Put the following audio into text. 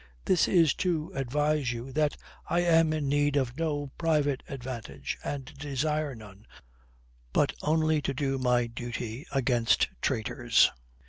This is to advise you that I am in need of no private advantage and desire none, but only to do my duty against traitors."